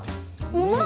うまっ！